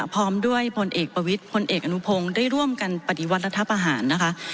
พร้อมด้วยพลเอกประวิทย์พลเอกอนุพงศ์ได้ร่วมกันปฏิวัติรัฐประหารนะคะ